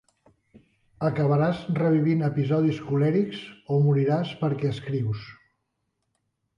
Acabaràs revivint episodis colèrics o moriràs perquè escrius.